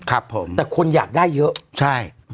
ครับผมใช่